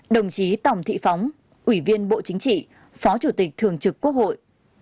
đồng chí tòng thị phóng ủy viên bộ chính trị phó chủ tịch thường trực quốc hội